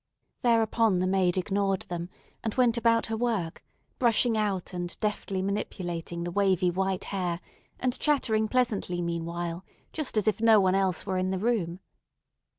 Thereupon the maid ignored them, and went about her work, brushing out and deftly manipulating the wavy white hair, and chattering pleasantly meanwhile, just as if no one else were in the room.